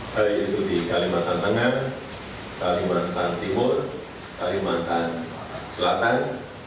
baik itu di kalimantan tengah kalimantan timur kalimantan selatan